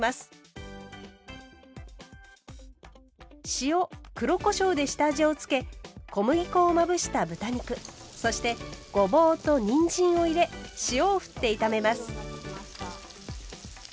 塩黒こしょうで下味を付け小麦粉をまぶした豚肉そしてごぼうとにんじんを入れ塩をふって炒めます。